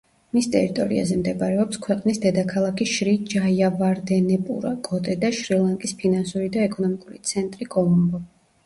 მის ტერიტორიაზე მდებარეობს ქვეყნის დედაქალაქი შრი-ჯაიავარდენეპურა-კოტე და შრი-ლანკის ფინანსური და ეკონომიკური ცენტრი კოლომბო.